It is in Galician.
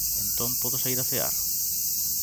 Entón podo saír a cear?